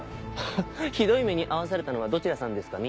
ハッひどい目に遭わされたのはどちらさんですかね。